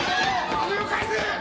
金を返せ！